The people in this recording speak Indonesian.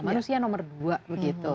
manusia nomor dua begitu